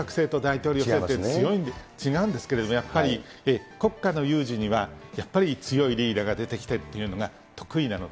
議院内閣制と大統領制、違うんですけれども、やっぱり、国家の有事には、やっぱり強いリーダーが出てきてというのが得意なので。